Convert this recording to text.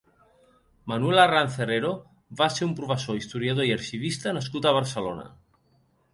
Manuel Arranz Herrero va ser un professor, historiador i arxivista nascut a Barcelona.